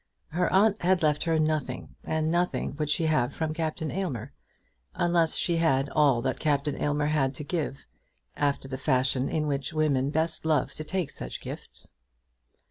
Her aunt had left her nothing, and nothing would she have from Captain Aylmer, unless she had all that Captain Aylmer had to give, after the fashion in which women best love to take such gifts.